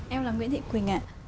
em là nguyễn thị quỳnh ạ